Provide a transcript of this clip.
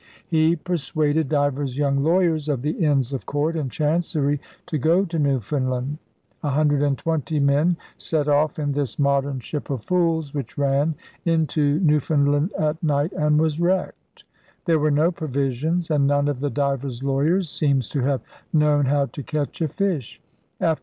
He persuaded * divers young lawyers of the Innes of Court and Chancerie' to go to Newfoundland. A hundred and twenty men set off in this modern ship of fools, which ran into Newfoundland at night and was wrecked. There were no provisions; and none of the 'divers lawyers' seems to have known how to catch a fish.